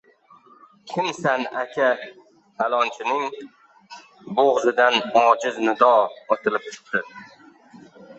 Kimsan aka... - lining bo‘g‘zidan ojiz nido otilibchiqdi.